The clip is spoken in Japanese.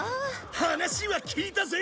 話は聞いたぜ！